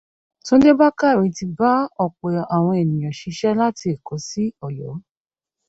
Túndé Bákàrè ti bá ọ̀pọ̀ àwọn ènìyàn ṣiṣe láti Èkó sí Ọ̀yọ́